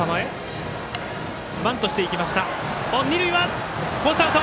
二塁はフォースアウト！